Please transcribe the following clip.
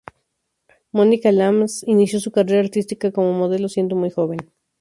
Mónica Lamas inició su carrera artística como modelo siendo muy joven.